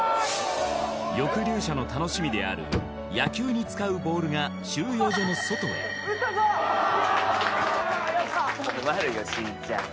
抑留者の楽しみである野球に使うボールが収容所の外へ困るよしんちゃん